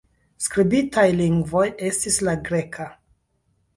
Skribitaj lingvoj estis la greka.